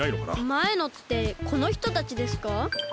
まえのってこのひとたちですか？